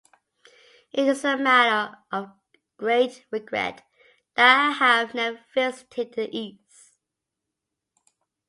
It is a matter of great regret that I have never visited the east.